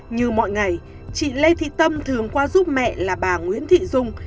như mọi ngày chị lê thị tâm thường qua giúp mẹ là bà nguyễn thị dung